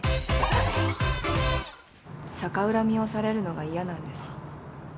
逆恨みをされるのが嫌なんです。